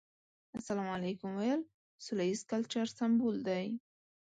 السلام عليکم ويل سوله ييز کلچر سمبول دی.